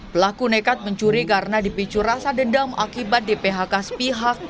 pelaku nekat mencuri karena dipicu rasa dendam akibat di phk sepihak